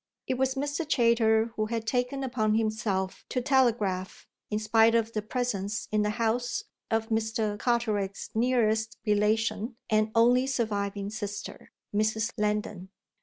It was Mr. Chayter who had taken upon himself to telegraph in spite of the presence in the house of Mr. Carteret's nearest relation and only surviving sister, Mrs. Lendon.